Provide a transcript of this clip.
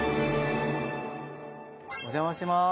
お邪魔します。